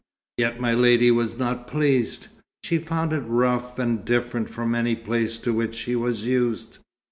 Yet my lady was not pleased. She found it rough, and different from any place to which she was used.